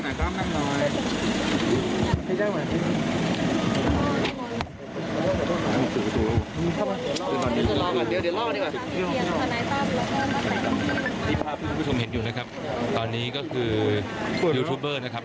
นี่ภาพที่คุณผู้ชมเห็นอยู่นะครับตอนนี้ก็คือยูทูบเบอร์นะครับ